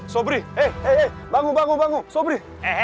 sobri eh bangun bangun sobri